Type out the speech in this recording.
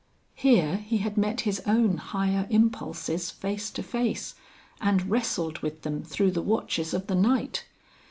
Here he had met his own higher impulses face to face, and wrestled with them through the watches of the night!